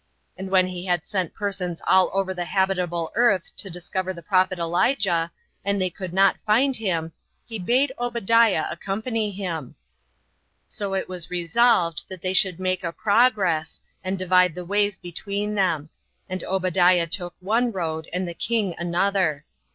And when he had sent persons all over the habitable earth 33 to discover the prophet Elijah, and they could not find him, he bade Obadiah accompany him. So it was resolved they should make a progress, and divide the ways between them; and Obadiah took one road, and the king another.